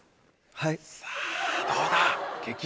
はい。